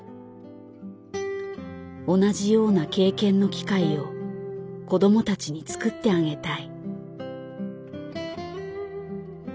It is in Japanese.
同じような経験の機会を子どもたちに作ってあげたい。